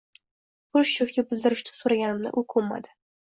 Xrushchyovga bildirishini so’raganimda u ko’nmadi.